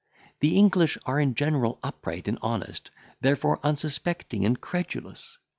"The English are in general upright and honest, therefore unsuspecting and credulous.